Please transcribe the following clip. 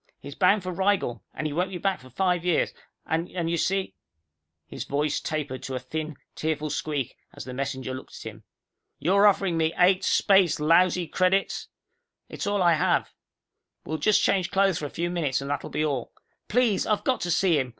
He's bound for Rigel, and he won't be back for five years, and you see " His voice tapered to a thin, tearful squeak as the messenger looked at him. "You're offering me eight space lousy credits?" "It's all I have. We'll just change clothes for a few minutes, and that'll be all. Please, I've got to see him.